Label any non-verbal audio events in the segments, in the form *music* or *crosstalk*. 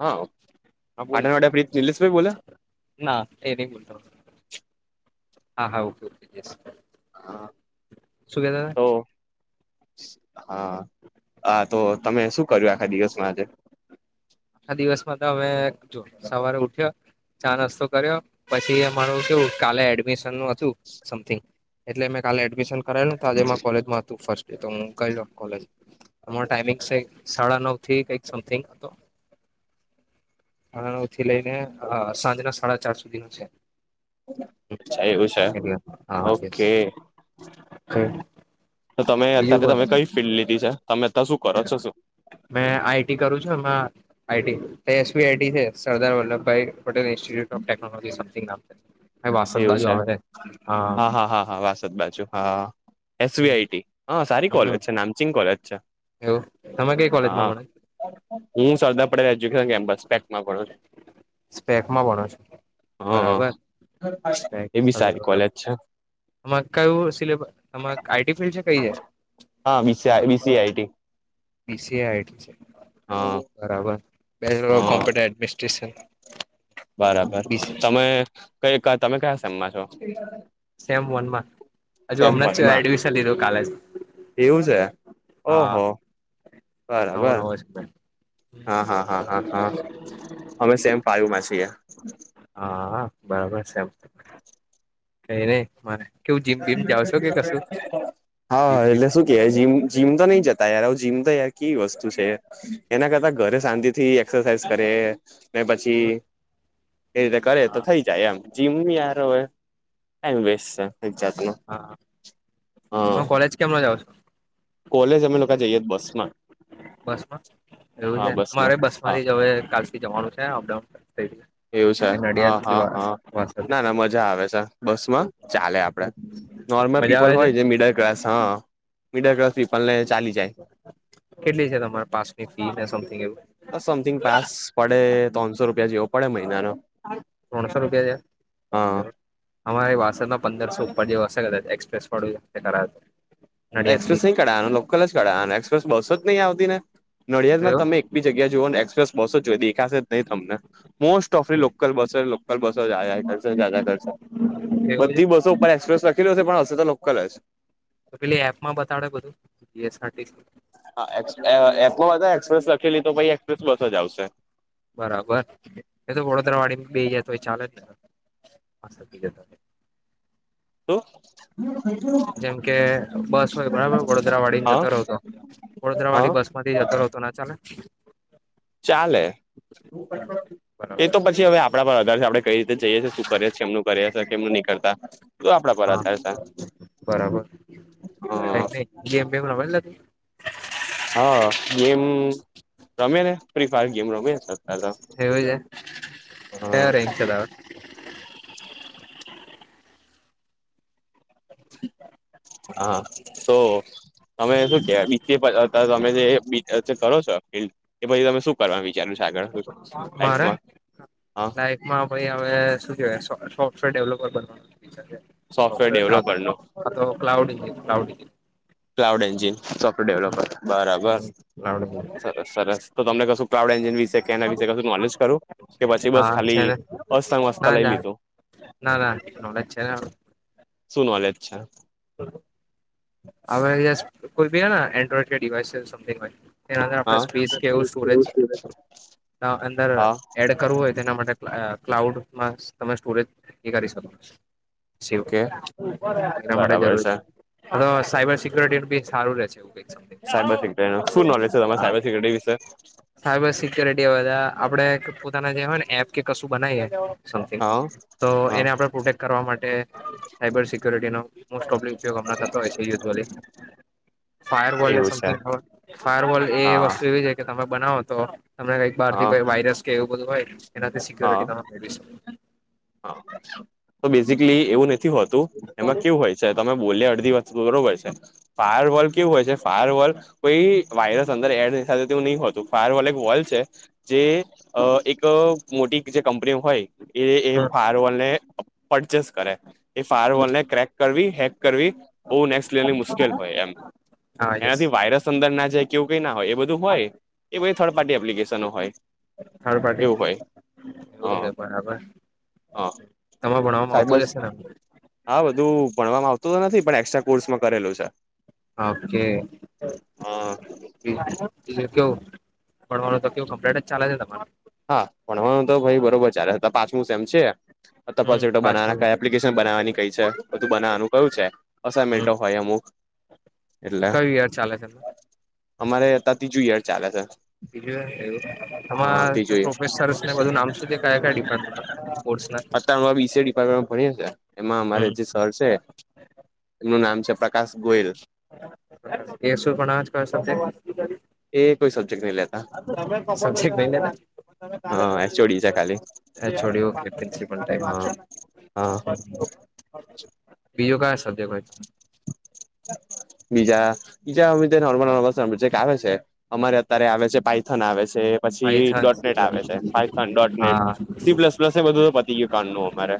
હા હા બોલ. પાટણવાડા પ્રીત નિલેશભાઈ બોલે ના એ નહી બોલતા હા હા ઓકે જ. હા તો. હા હા તો તમે શું કર્યું આખા દિવસમાં આજે? આ દિવસમાં તો હમે જો સવારે ઉઠ્યો. ચા રસ્તો કર્યો પછી અમારું કેવું કાલે એડમિશન નું હતું સમથિંગ એટલે મેં કાલે એડમિશન કરાવેલજેમાં કોલેજ માં હતું ફર્સ્ટ એ તો હું કઉ કોલેજ તમારો ટાઈમિંગ છે સાડા નવ થી કઈક સમથિંગ હતો. અનેથી લઈને સાંજના સાડા ચાર સુધી ન છે. અચ્છા એવું છે એટ હાસ. ઓકે તો તમે અ કે તમે કઈ ફિલ્ડ લીધી છે તમે અ શું કરો છો શું? મેં આઈટી કરું છું એમાં આઈટી એસવી આઈટી છે Sardar Vallabhbhai institute of technology સમમિંગમાં. એવું છે હા હા હા હા વા. જ હા હમ એસવીઆઈ હ સારી કોલેજ છે નામચિંગ કોલેજ છે. એવું તમે કઈ કોલેજમાં હા ભણો? હું સરદ આપું સ્પેકમાં ભણો છો હ. બરાબર એ બી સારી કોલેજ છે. કું સિલેબસ તમા આઈટી ફિલ્ડ છે કઈ જાય. હા બિ બિસીઆ આટી. હા હા *unintelligible* બરાબર બીસી તમે કઈ તમે કયા સેમમાં છો? સેમ વન માં. સેમમાં જ એવું છે હા ઓહ. નવો બરાબર નવો હા હા હા હા હા. અમે છે. સેમ પાયુમાં છી. હા બરાબર છે એમ કઈ નહી મારે. કેવું જીમ બીમ જાવ છો કે કશું જીમ હા બીમ હ એટલે શું. જીમ તો નહી જતા યાર જીમ તો યાર કે વસ્તુ છે એના કરતા ઘરે શાંતિ થી. એક્સરસાઝ કરે ને પછી એ રીતે કરે તો હા થઈ જાય એમ. જીમ બી યાર હોવે ટાઈમ વેસ્ટ છે એક જાતનો. હા હા હ કોલેજ કેમનો જાાવ છો? કોલેજ અમે લોકો જઈએ બસ માં. બસમાં એવું હા છે બસમાં મારે બસ હા માંથી જ હવે કાલથી જવાનું છે અપડાઉન. એવું છે હા નડિયાદ થી હા વા હા વાસદ ના ના મજા આવે છે બસમાં ચાલે આપડે. નોર્મલ મજા પીપલ આવે છે હોય જે મિડલ ક્લાસ હા મિડલ ક્લાસ પીપલ ને ચાલી જાય. કેટલી છે તમારે પાસની ફી સમિંગ એવ? સમથિંગ પાસ પડે ત્રણસો રૂપિયા જેવો પડે મહિનાનો. ત્રણસો રૂપિયા હા છે બ. અમારે વાસણમાં પંદરસો ઉપર જે વ કર એક્સપ્રેસળ કરાયા. એક્સપ્રેસ નહીં કરઢાવવાનું લોકલ જ કરઢાવવાનું એક્સપ્રેસ બસો જ નહી આવતી ને નડિયાદમાં તમે બી જગ્યા જુઓ ને એક્સપ્રેસ બસ જ જો દેખાશે નં તમને. Most of the local bus local bus કર એવું છે બધી બસો ઉપર એક્સપ્રેસ લખેલી હશે પણ હશે તો લોકલ જ તો પેલી એપ માં બતાવડે બધું જએસ હા એટલો બધા એક્સપ્રેસ લખેલી તો પછાઈ એક્સપ્રેસ જ આવશે બરાબર એ તો વડોદરા વાડી બે હાર તોય ચાલે ને હમ *inaudible* જેમ કે બસ હોય બરાબર વડોદરા વાળી ને હા જતો રહોતો વડોદરા હા વાળી બસ મ જતો રહતો ના ચા ને ચાલે એ બરાબર તો પછી હવે આપડા પર વધારે આપડે કઈ રી જઈએ છે શું કરે છે એમ કરીએ કેમનું નહી કરતા શ આપડા પર હા હતા બરાબર ન નહી જેમ બેમ રમા લ હા ગેમ રમે ને ફ્રી ફાયર ગેમ રમે હવ છેાય હે હા ર ચતા હા તો તમે શું કેવાય બે તમે જે કરો છો ફિલ્ડ એ પછી તમે શું કરવા વિચાર્યું છે આગળ લમાં હ માં ભાઈ હવે શું કે સોફ્ટવેર ડેવલપર બનવાનું સોફ્ટવેર સોફવેરા ડેવલોપર નું અથ તો ક્લાઉડઈ ક્લાઉડઈ ક્લાઉડ એન્જિન સોફ્ટવેર ડેવલોપર બરાબર સરસ સરસ તો તમને કશું ક્રાઉડ એન્જિન વિશે કેના વિશે કશું નોલેજ કરું કે પછી બસ હા છે ખાલી ને અસંગ ના વસ્તા લઈ ના લીધું ના ના નો છે શું નોલેજ છે? હ *inaudible* હ કોઈ ઋહને એન્ડ્રોઈડ કે ડિવાઈસ સમંગ હોય તેના આપણે હા સ્પેસ કેવું સ્ટોરેજ અંદર હા એડ કરવું હોય તેના માટે ક્લાઉડમાં તમે સ્ટોરેજ કરી શકો સ ઓકે એના માટે બરાબર જરૂરી છે છે સાયબર સિકરિટી બી સારું ર છે એવું ક સાયબર સિક્ય્યોરિટી ન શું નોલેજ છે તમારે સાયબર સિક્યુરિટી વિશે સાયબર સિક્યોરિટી બધા આપડે પોતાના જે હોય ને એપ કે કશું બનાવીએ સમિંગ હા તો હા એને આપડણે પ્રોટેક્ટ કરવા માટે સાયબર સિક્યુરિટીનો મોસ્ટ ઓફ ઉપયોગ હમણાં થતો હોય છેુ ફાયર એવું છે વલ્ડ ફાયર વર્લ્ડ એ હા વસ્તુ એવી જ કે તમે બનાવો તો તમને કઈક બાર થી હા કોઈ વાયરસ કે એવું બધું હોય એનાથી હા સિક્યોરિટી તમે મેળવી શકો હા તો બેઝિકલી એવું નથી હોતું એમાં કેવું હોય છે તમે બોલી અડધી વાત બરોબર છે ફાયર વોલ કેવું હોય છે ફાયર વોલ કોઈ વાયરસ અંદર એડ ન થાય તેવું નહી હોતું ફાયર વ એક વોલ છે જે એક મોટી જે કંપનીઓ હોય એ એ હમ ફાર વોલ ને પરચેસ કરે એ ફાર વોલ ને ક્રેક કરવી હેક કરવી બહ નેક્સ્ટ લેવની મુશ્કેલ હોય એમ હા યસ એનાથી વાયરસ અંદર ના જાય કેવું કઈ ના હોય બધું હોય એ બધી થર્ડ પાર્ટી એપ્લિકેશન હોય થડ પાર્ટી એવું હોય એવું છે હ બરાબર હ તમારે ભણવામાં સાયબર આવતું જશે ને હા બધું ભણવામાં આવતું તો નથી પણ એક્સ્ટ્રા કોર્સમાં કરેલું છે ઓકે બ બીજું કેવું ભણવાનું તો કેવું કમ્પ્લેટ જ ચાલે છે તમારો હા ભણ તો ભાઈ બરોબર ચલે પાછમું સેમ છે હમ બ પાંચમું છે. બનાવવાની કઈ છે બધું બનાવવાનું કયું છે અસમેન્ટો હોય અમુક એટલે કવયાર ચાલે છે ને અમારે ત્રીજું યાર ચાલે છે બીજવું હ તમા ત્રીજું યર પ્રોફેસર ને બધું નામ સુધી કયા કયા ડિપાર્ટમેન્ટ કોર્ ડિપાર્ટમેન્ટ ભણી છે એમાં અમારે હમ જે સર છે એમનું નામ છે પ્રકાશ ગોયલ એકસો પણ જ કર શ એ કોઈ સબ્જેક્ટ નહી લેતા તમે તોી હા એચઓડી છે ખાલી હ છોડી ઓકે પ્રિન્સિપલ ટાઈ હા હા બીજયો ક સધ્ય હો તો બીજા બીજા અ નોર્મલ ન જે આવે છે અમારે અત્યારે આવે છે પઇથન આવે છે પછી પાયથન ડોટનેટ આવે છે પઇથન ડોટનેટ હા સીપ્લસ પ્લસ એ બધું પતી ગયું કાન ન અમારે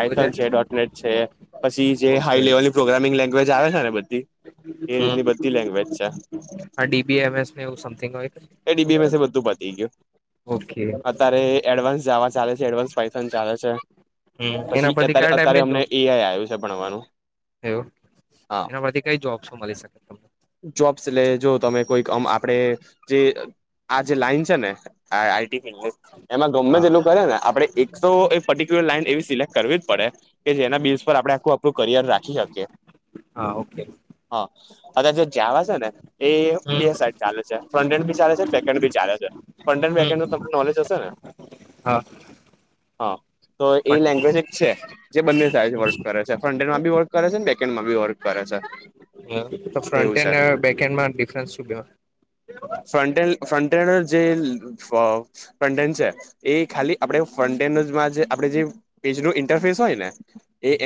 આઈથન છે ડોટનેટ છે પછી જે હાઈ ઓકે લેવલની પ્રોગ્રામિંગ લેંગ્વેજ આવે છે ને બધી એ રીતની બધી લેંગ્વેજ છે હડીબીમસ એવું સમિંગ હોય એ ડીબીમ એ બધું પતી ગયું ઓકે અત્યારે એડવાન્સ જવા ચાલે છે એડવાન્સ પૈસા ચાલે છે હમ એના પછી પરથી અત્યારે કયા અત્યારે ટાઈપની અમને એઆઈ આવ્યું છે છે ભણવાનું એ હા એના પરથી કઈ જોબ્સો મળી શકે તમને જોબ્સ લે જો તમે કોઈકમ આપડે જે આ જે લાઈન છે ને હા આઈટી ફિલ્ડ એમાં ગમે હા તેટલું કરે ને આપડે એક તોો એ પર્ટિક્યુલર લાઈન એવી સિલેક્ટ કરવી જ પડે કે જેના બિલ્લ્સ પર આપણે આખું અપ્રવ કરિયર રાખી શકીએ હા ઓકે હા અ જે જ્યાવા છે ને એ બે હમ સાઈડ ચાલે છે ફ્રન્ટ હન્ડ ભી ચાલે છે બેક હન્ડ ભી ચાલે છે પંટન વ્યાક્યાું હમ તમને નોલેજ હશે ને હા હા તો એ લેંગ્વેજ એક છે જે બંને સાઇઝ વર્ક કરે છે ફ્રન્ટ એન્ડમાં બી વર્ક કરે છે ને બેકેન્ડમાં બી વર્ક કરે છે હ તો એવું ફ્રન્ટ છે એન્ડ બેકન્ડ માં ડિફરન્સ શું ફ્ર ફ્રન્ટે જે ફન છે એ ખાલી આપ ફન્ટેનમાં આપે જે પેજ ઇન્ટરફેસ હોય ને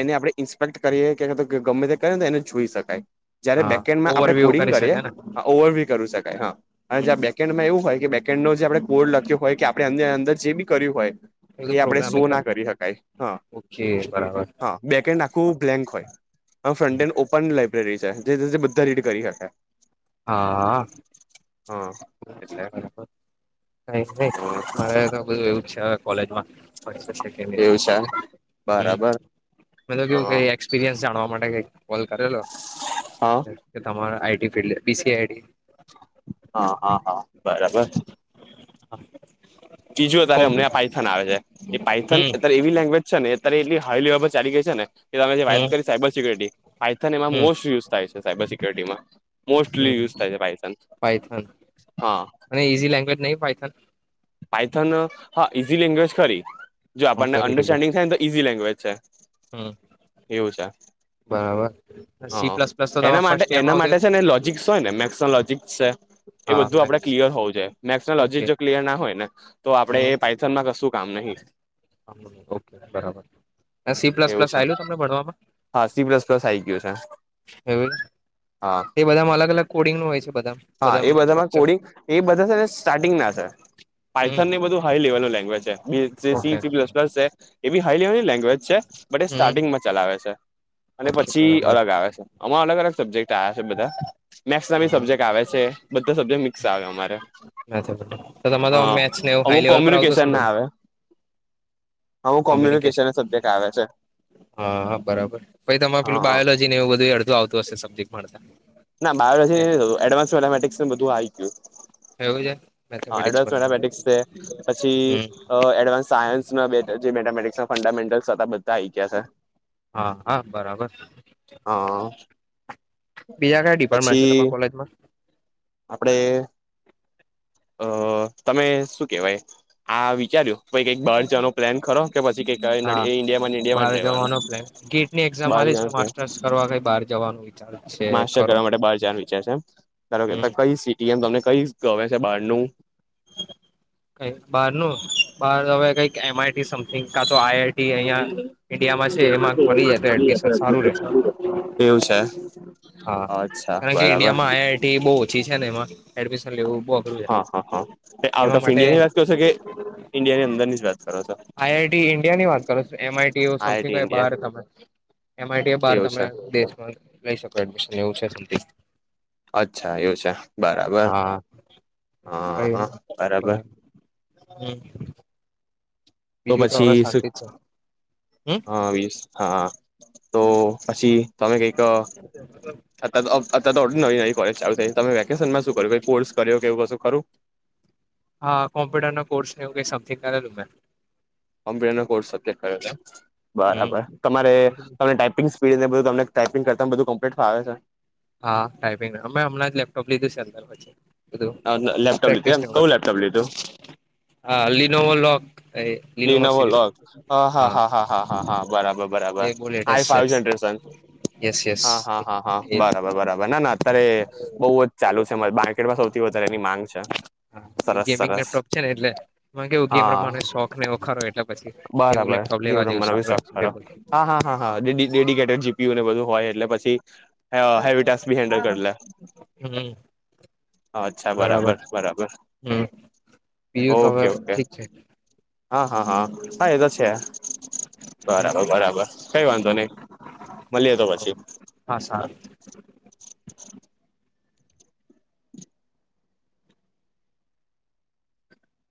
એને આપડણે ઇન્સ્પેક્ટ કરીએ કે ગમે તે કરને એને જોઈ શકાય જયારે હા બેકેન્ડમાં આપણે ઓવરવ્યુ કોડિંગ કરી કરીએ શકે ને ઓવર ભી કરી શકાય હા અને જં બેકેન્ડમાં એવું હોય કે બેકેન્ડ નો જે આપણે કોડ લખ્યો હોય કે આપણે અંદર જે બી કર્યું હોય બધું એ આપણેે પ્રોગ્રામિંગ શું કર ના કરી શકાય હા ઓકે બરાબર હા બેક એન્ડ આખું બ્લેન્ક હોય ફ્ર એન્ડ પણ લાઈબ્રેરી છે જે બધા રીડ કરી શકે હા હા એટલે કઈ નહી મારે તો બધું એવું છે એવું છે બરાબર હ કેું એપરયસ જાણવા માટે કઈક કોલ કરેલો હા. કે તમારા આઈટી ફિલ્ડ બીસી હા હા હા બરાબર બીજું અત્યારે અમને આ કોમ્પ્યુટર પાઇથન આવે છે એ પાઇથન હમ અત્યારે એવી લેંગ્વેજ છે ને અત્યારે એટલી હાઈ લેવલ પર ચલી ગઈ છે ને કે ત જે હમ વાત કરી સાયબર સિક્યોરિટી આઇથન એમાં હમ મોસ્ટ યુઝ ાય સાયબર સિકરિટીમાં મોસ્ટલી હમ યુઝ થાય છે બાય ચાન્સ પાયથન હા અને ઝી લેંગ્વેજ નહીં ભાય થાય પાઇથન હા ઈઝી લેંગ્વેજ ખરી જો આપણને કમ્પેરેટિવ અન્ડરસ્ટેન્ડિંગ થાય ને તો ઈઝી લેંગ્વેજ છે હમ એવું છે બરાબર સી હા પ્લસ પ્લસ તો એના તમારે માટે ફર્સ્ટ એના યરમાં આવતી માટે હશે છે ને લોજિક્સ હોય ને મેક્સ લોજિક્સ છે. એ બધું હા આપડે ક્લિયર હોવું જોાય મેક્સ લોજી ઓકે જો ક્લિયર ના હોય ને તો આપડે હમ એ પાઇથનમાં કશું કામ નહી. ઓકે બરાબર સી પ્લસ એવું પ્લસ છે આલું તમને ભણમાં? હા સી બ્લસ પ્લસ આ આવી ગયું છે. એવ. હા એ બધામાં અલગ અલગ કોડિંગ ન હોય છે બધા હા બધા એ બધામાં સ્ટક્ચર. કોડિંગ બધા છે ને સ્ટાર્ટિંગ ના છે પાઇથન એ બધું હાઈ લેવલ નું લેંગ્વેજ છેલસ પલસ છે એી હાઈ લેવલની લે છે બટ એ હમ સ્ટાર્ટિંગમાં ચલાવે છે અને ઓકે પછી બરાબર અલગ આવે છે. અમા અલગ અલગ સબ્જેક્ટ આવ્યા છે બધા મેસ ના બી હા સબ્જેક્ટ આવે છે બધા સબ્જેક્ટ મિક્સ આવે અમારે. હ તો તમારો હા મેચ નેવું હાાઈ અમુક લેવલ પર આવતોું હશે કોમ્યુનિકેશન ને થોડું. હું કોમ્યુનિકેશન સબ્જેક્ટ આવે છે. હાા બરાબર પછ તમામે હા પેલું હા બાયોલોજી ને એવું બધું અડધું આવતું હશે સબ્જેક્ટતા. ના બાયોજી ન એડવાન્સ મેથેમેટિક્સ ને બધું આવી ગયું. એવું છે. હા મેથેમેટિક્સ એડવાન્સ પણ એવું. મેથમેટિક્સ છે. પછી હમ એડવાન્સ સાયન્સમાં બે જે મેથેમેટિક્સ ના ફંડામેન્ટસ હતા બધા આઈ ગયા છે. હા હા બરાબર. હા. બીજા કઈ ડિપાર્ટમેન્ટ છે પછી તમા કોલેજમાં? આપડે અ તમે શું કેહેવાય આ વિચાર્યું પ કઈક બહાર જવાનો પ્લાન કરો કે પછી કઈક હા ઇન્ડિયા માં ઇન્ડિયામાં બહાર જ રહેવાનું? જવાનો પ્લાન ગેટની એક્ઝામ બાર આલીશ ને જણ છે માસ્ટર્સ કરવા કઈ બહાર જવાનું વિચાર છે માસ્ટર ખરો કરવા માટે બાર જણ વિચાર છે એમ. ધારો હમ કે કઈ સિટી એમ તમને કઈ ગમે છે. બહારનુંું કઈક બહાર નું બહાર હવે કઈક એમ આઈટી સમથિંગ કા તો આઈઆઈટી અિયા ઇન્ડિયામાં છે એમાં મળી જાય તો એડમિશન સારું રે. એવું છે હા અચ્છા કારણ કે બરાબર ઈન્ડિયામાં આઈઆઈટી બહુ ઓછી છે ને એમાં એડમિશન લેવું બહુ અઘરું છે. હા હા હા એ આઉટ એના ઓફ માટે ઇન્ડિયા ની વાત કરો છો કે ઇન્ડિયા ની અંદર ની જ વાત કરો છો? આઈઆઈટી ઇન્ડિયા ની વાત કરો છો. એમ આઈટી એવું સમથિંગ આઈઆઈટી હોય ઇન્ડિયા બહાર તમે એમ આઈટી બાર એવું છે તમે દેશમાં લઈ શકો એડમિશન એવું છે શથી. અચ્છા એવું છે બરાબર હ હ બરાબર. હમ્મ. તો પછી શુ જ છે હમ હા વીસ હા તો પછી તમે કંઈક અતાર તો અત્યારે તો નવી નવી કોલેજ ચાલુ થાય તમે વેકેશન માં શું કર્યું કઈ કોર્સ કર્યો કેવું કશુ ખરું? હા કોમ્પ્યુટર ના કોર્સ એવુ કઈ સમથિંગ કરેલુ મેં. કોમ્પ્યુટર નો કોર્સ સબજેક્ટ કર્યો છે એમ હમ બરાબર. તમારે તમે ટાઈપિંગ પીડને તમને ટાઈપિંગ કરતા બધું કમ્લીટ ફાવે છે. હા ટાઈપિંગ અમે હમણાં જ લેપટોપ લીધું છે. અંતર પછી બધું લેપટોપ લીધું પ્રેકટીસ એમ કયું લેપટોપ લીધું *unintelligible* હા લીનોવો લો કએ લિનોવો લો અ હા હા હા હા હા હા બરાબર. બરાબર એ બહુ આઈ લેટેસ્ટ છે ફાઈવ જનરેશન યસ યસ હા હા હા હા એ બરબાર બરાબર ના ના. અત્યારે બઉજ ચાલુ છે માર્કેટમાં સૌથી વધારે એની માંગ છ. હા ગેમિંગ લેપટોપ છે ને એટલે એમાં કેવું ગેમ હા રમવાનો શોખ ને એવો ખરો એટલે. પછી એવું બરાબર લેપટોપ ગેમ લેવા જેવું રમવાનો બી સારું શોખ ખરો એફોર્ડેબલ. હા હા હા હા ડીડી-ડેડીકેટેડ જીપીયુ ને બધું હોય એટલે પછી હેવ હેવી ટાસ્ક બી હેન્ડલ કરલે. હમ્મ. અચ્છા બરાબર બરાબર હમ બીજું તો હવે ઓકે ઓકે. ઠીક છે હા હા હા હા એ તો છે. બરાબર બરાબર કઈ વાંધો નઈ મલીએ તો પછી હા સારું